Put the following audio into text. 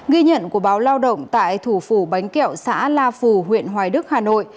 ghi nhận của báo lao động tại thủ phủ bánh kẹo xã la phù huyện hoài đức hà nội